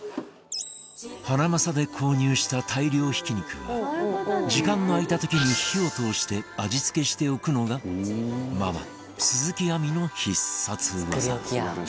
ハナマサで購入した大量ひき肉は時間が空いた時に火を通して味付けしておくのがママ、鈴木亜美の必殺技